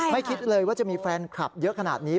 คิดเลยว่าจะมีแฟนคลับเยอะขนาดนี้